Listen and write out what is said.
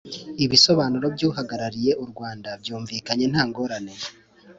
ibisobanuro by'uhagarariye u rwanda byumvikanye nta ngorane,